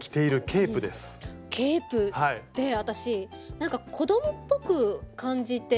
ケープって私なんか子供っぽく感じて。